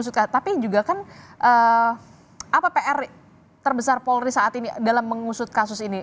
tapi juga kan apa pr terbesar polri saat ini dalam mengusut kasus ini